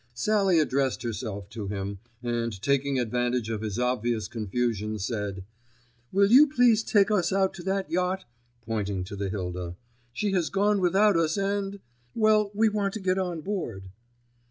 Sallie addressed herself to him, and, taking advantage of his obvious confusion, said: "Will you please take us out to that yacht," pointing to the Hilda. "She has gone without us, and——well, we want to get on board."